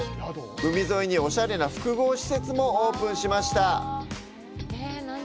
海沿いにオシャレな複合施設もオープンしました。